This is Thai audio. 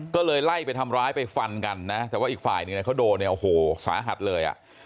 ก็เลยไล่ไปทำร้ายไปฟันกันนะแต่ว่าอีกฝ่ายหนึ่งเขาโดนเนี่ยโอ้โหสาหัสเลยอ่ะ